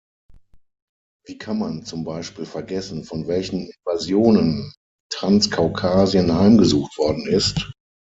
Wie kann man zum Beispiel vergessen, von welchen Invasionen Transkaukasien heimgesucht worden ist?